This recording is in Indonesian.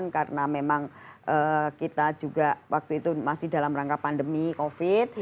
karena memang kita juga waktu itu masih dalam rangka pandemi covid